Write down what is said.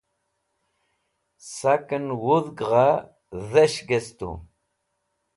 sak'en wudg gha des̃h gestu